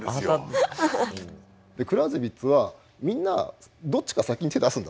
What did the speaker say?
クラウゼヴィッツはみんなどっちか先に手出すんだと。